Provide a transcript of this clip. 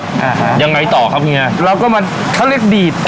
อ่าฮะยังไงต่อครับเฮียเราก็มาเขาเรียกดีด